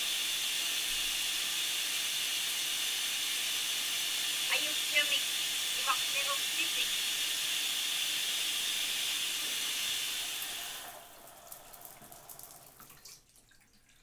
Ayuktamik ivaqłiġukpisik?